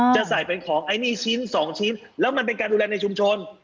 จะใส่เป็นของไอ้นี่ชิ้น๒ชิ้นแล้วมันเป็นการดูแลในชุมชน